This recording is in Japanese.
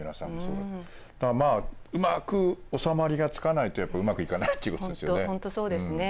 まあうまく収まりがつかないとやっぱりうまくいかないっていうことですよね。